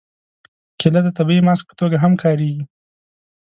کېله د طبیعي ماسک په توګه هم کارېږي.